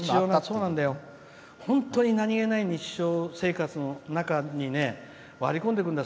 本当に何気ない日常生活の中に割り込んでくるんだよ